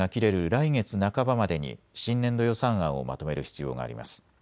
来月半ばまでに新年度予算案をまとめる必要があります。